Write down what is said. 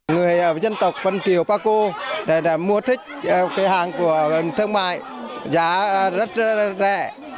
người dân tộc văn kiều ba cô mua thích hàng của thương mại giá rất rẻ